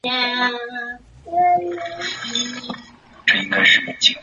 构件数据库提供针对构件的驱动库和可以连接到微控制器而建造最终产品的服务。